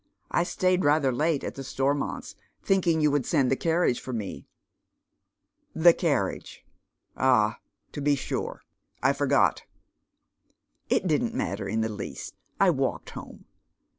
I stayed ratho» late at the Stormonta, thinking you would send the carriage for me." " The carriage ? ah, to be sure. I forgot." " It didn't matter in the least I walked home.